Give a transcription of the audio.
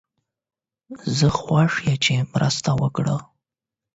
زه خوښ یم چې مرسته وکړم.